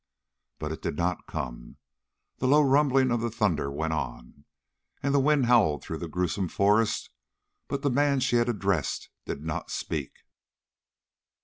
But it did not come. The low rumbling of the thunder went on, and the wind howled through the gruesome forest, but the man she had addressed did not speak.